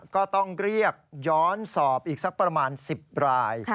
ก็ต้องเรียกย้อนสอบอีกสักประมาณ๑๐ราย